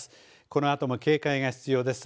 このあとも警戒が必要です。